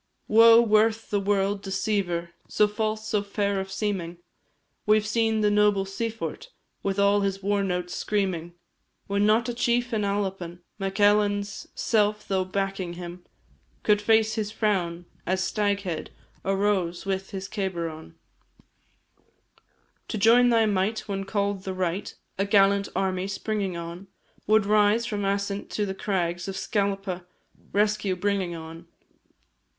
Woe worth the world, deceiver So false, so fair of seeming! We 've seen the noble Siphort With all his war notes screaming; When not a chief in Albain, Mac Ailein's self though backing him, Could face his frown as Staghead Arose with his cabar on. To join thy might, when call'd the right, A gallant army springing on, Would rise, from Assint to the crags Of Scalpa, rescue bringing on.